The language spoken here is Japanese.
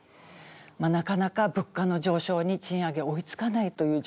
まあなかなか物価の上昇に賃上げ追いつかないという状況なんですね。